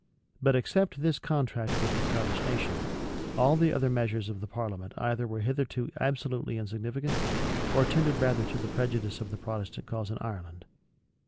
But except this contract with the Scottish nation, all the other measures of the parliament either were hitherto absolutely insignificant, or tended rather to the prejudice of the Protestant cause in Ireland.